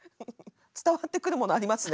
伝わってくるものありますね